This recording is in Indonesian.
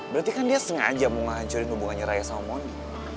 berarti kan dia sengaja mau ngancurin hubungannya raya sama mondi